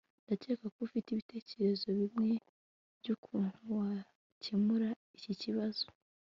ndakeka ko ufite ibitekerezo bimwe byukuntu wakemura iki kibazo